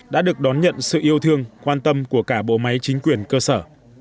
đã được đón nhận sự yêu thương quan tâm của cả bộ máy chính quyền cơ sở